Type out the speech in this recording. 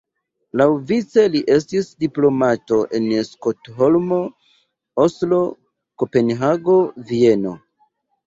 Laŭvice li estis diplomato en Stokholmo, Oslo, Kopenhago, Vieno.